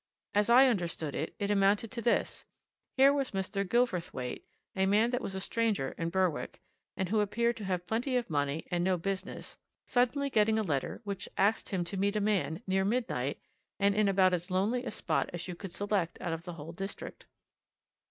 As I understood it, it amounted to this: Here was Mr. Gilverthwaite, a man that was a stranger in Berwick, and who appeared to have plenty of money and no business, suddenly getting a letter which asked him to meet a man, near midnight, and in about as lonely a spot as you could select out of the whole district.